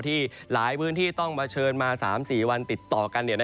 ที่หลายพื้นที่ต้องเผชิญมา๓๔วันติดต่อกัน